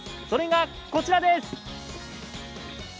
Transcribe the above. それがこちらです。